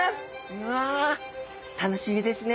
うわ楽しみですね。